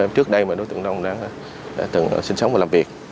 trước đây mà đối tượng long đã từng sinh sống và làm việc